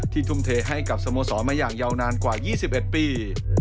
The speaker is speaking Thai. ทุ่มเทให้กับสโมสรมาอย่างยาวนานกว่า๒๑ปี